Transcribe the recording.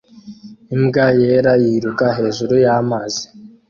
imbwa yera yiruka hejuru y'amazi